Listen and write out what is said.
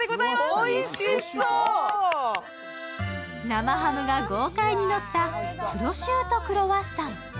生ハムが豪快にのったプロシュートクロワッサン。